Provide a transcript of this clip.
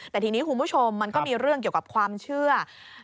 แต่ทีนี้คุณผู้ชมมันก็มีเรื่องเกี่ยวกับความเชื่อ